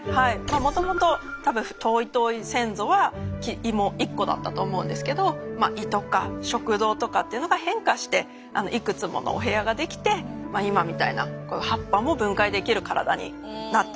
もともとたぶん遠い遠い先祖は胃も一個だったと思うんですけど胃とか食道とかっていうのが変化していくつものお部屋が出来て今みたいな葉っぱも分解できる体になったんです。